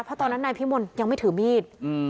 เพราะตอนนั้นนายพิมลยังไม่ถือมีด